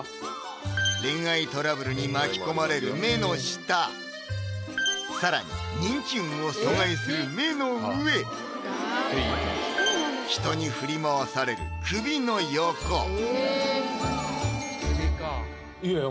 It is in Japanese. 恋愛トラブルに巻き込まれる目の下更に人気運を阻害する目の上人に振り回される首の横いやいや